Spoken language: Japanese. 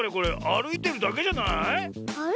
あるいてるだけじゃない。